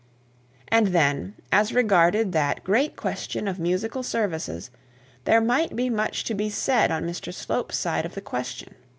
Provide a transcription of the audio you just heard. And then, as regarded that great question of musical services, there might be much to be said on Mr Slope's side of the question.